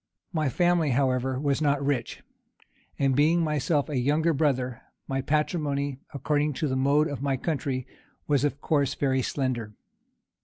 My family, however, was not rich; and being myself a younger brother, my patrimony, according to the mode of my country, was of course very slender.